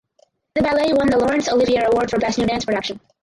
The ballet won the Laurence Olivier Award for Best New Dance Production.